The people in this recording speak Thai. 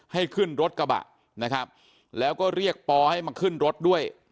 ให้ขึ้นรถกระบะนะครับแล้วก็เรียกปอให้มาขึ้นรถด้วย